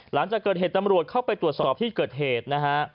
หลังจากเกิดเหตุตำรวจเข้าไปตรวจสอบที่เกิดเหตุนะฮะ